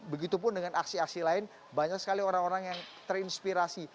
begitupun dengan aksi aksi lain banyak sekali orang orang yang terinspirasi